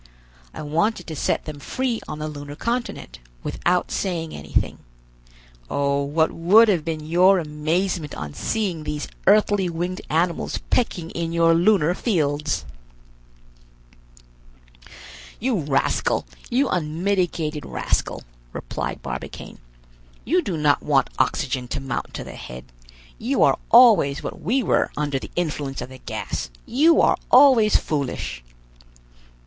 I wanted to set them free on the lunar continent, without saying anything. Oh, what would have been your amazement on seeing these earthly winged animals pecking in your lunar fields!" "You rascal, you unmitigated rascal," replied Barbicane, "you do not want oxygen to mount to the head. You are always what we were under the influence of the gas; you are always foolish!"